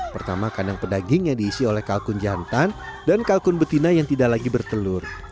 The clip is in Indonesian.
pertama kandang pedaging yang diisi oleh kalkun jantan dan kalkun betina yang tidak lagi bertelur